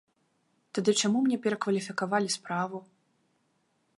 Тады чаму мне перакваліфікавалі справу?